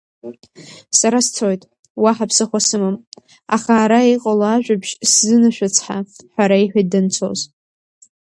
Сара сцоит, уаҳа ԥсыхәа сымам, аха ара иҟало ажәабжь сзынашәыцҳа, ҳәа реиҳәеит данцоз.